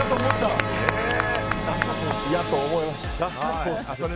やと思いました。